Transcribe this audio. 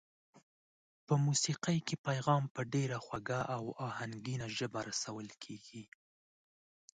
په موسېقۍ کې پیغام په ډېره خوږه او آهنګینه ژبه رسول کېږي.